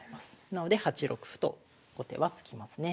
なので８六歩と後手は突きますね。